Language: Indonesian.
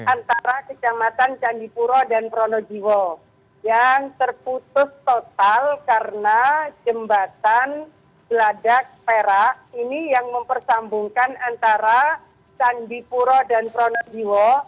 antara kecamatan candipuro dan pronojiwo yang terputus total karena jembatan geladak perak ini yang mempersambungkan antara candipuro dan pronojiwo